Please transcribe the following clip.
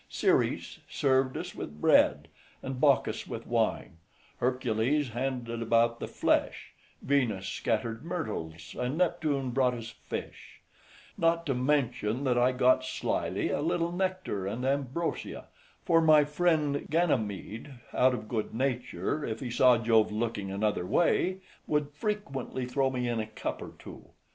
Ceres served us with bread, and Bacchus with wine; Hercules handed about the flesh, Venus scattered myrtles, and Neptune brought us fish; not to mention that I got slyly a little nectar and ambrosia, for my friend Ganymede, out of good nature, if he saw Jove looking another way, would frequently throw me in a cup or two.